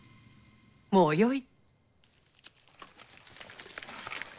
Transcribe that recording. もうよい。